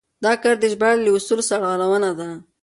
دا کار د ژباړې له اصولو سرغړونه ده.